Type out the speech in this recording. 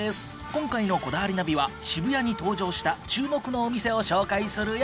今回の『こだわりナビ』は渋谷に登場した注目のお店を紹介するよ。